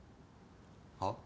はっ？